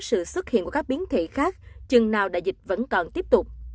sự xuất hiện của các biến thể khác chừng nào đại dịch vẫn còn tiếp tục